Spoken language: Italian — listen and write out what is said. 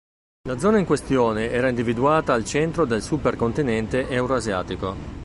La zona in questione era individuata al centro del supercontinente Eurasiatico.